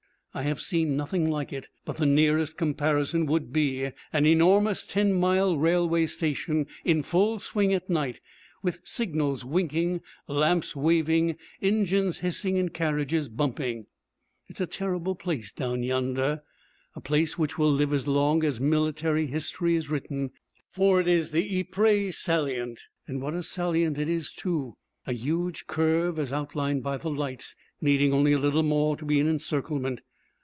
I have seen nothing like it, but the nearest comparison would be an enormous ten mile railway station in full swing at night, with signals winking, lamps waving, engines hissing and carriages bumping. It is a terrible place down yonder, a place which will live as long as military history is written, for it is the Ypres Salient. What a salient it is, too! A huge curve, as outlined by the lights, needing only a little more to be an encirclement.